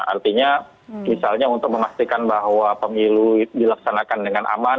artinya misalnya untuk memastikan bahwa pemilu dilaksanakan dengan aman